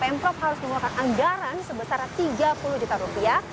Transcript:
pemprov harus mengeluarkan anggaran sebesar tiga puluh juta rupiah